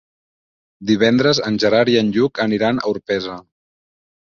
Divendres en Gerard i en Lluc aniran a Orpesa.